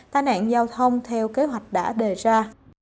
tai nạn giao thông theo kế hoạch đã đề ra